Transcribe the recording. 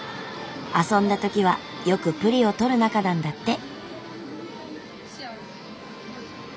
遊んだ時はよくプリを撮る仲なんだって。